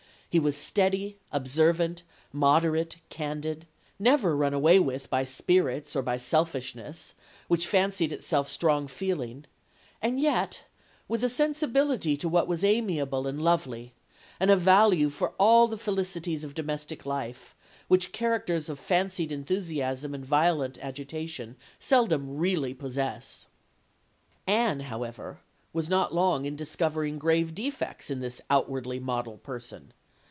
He was steady, observant, moderate, candid; never run away with by spirits or by selfishness, which fancied itself strong feeling; and yet, with a sensibility to what was amiable and lovely, and a value for all the felicities of domestic life, which characters of fancied enthusiasm and violent agitation seldom really possess." Anne, however, was not long in discovering grave defects in this outwardly model person.